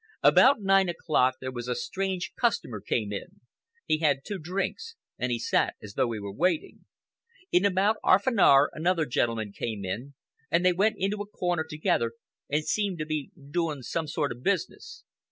About nine o'clock there was a strange customer came in. He had two drinks and he sat as though he were waiting. In about 'arf an hour another gent came in, and they went into a corner together and seemed to be doing some sort of business.